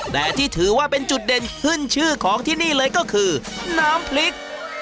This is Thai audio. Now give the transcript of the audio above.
แต่ที่ถือว่าเป็นจุดเด่นขึ้นชื่อของที่นี่เลยก็คือน้ำพริก